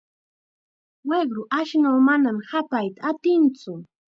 Wiqru ashnuu manam hapayta atintsu.